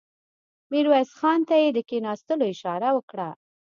ميرويس خان ته يې د کېناستلو اشاره وکړه.